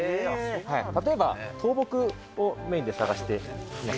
例えば、倒木をメインで探してみます。